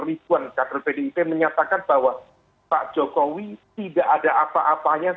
ribuan kader pdip menyatakan bahwa pak jokowi tidak ada apa apanya